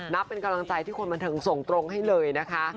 เป็นกำลังใจที่คนบันเทิงส่งตรงให้เลยนะคะ